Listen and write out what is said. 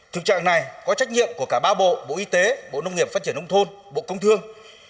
thực trạng này có trách nhiệm của cả ba bộ bộ y tế bộ nông nghiệp phát triển nông thôn bộ công thương